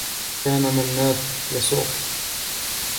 كان منّاد يسوق.